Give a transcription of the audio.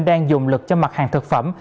đang dùng lực cho mặt hàng thực phẩm